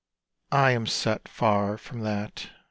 I am set far from that.